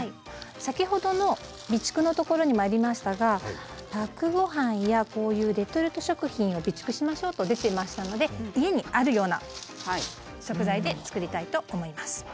先ほどの備蓄のところにもありましたがパックご飯やこういうレトルト食品を備蓄しましょうと出てましたので家にあるような食材で作りたいと思います。